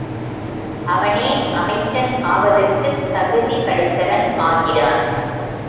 அவனே அமைச்சன் ஆவதற்குத தகுதி படைத்தவன் ஆகிறான்.